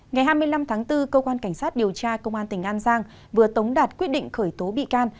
ngày hai mươi năm tháng bốn cơ quan cảnh sát điều tra công an tỉnh an giang vừa tống đạt quyết định khởi tố bị can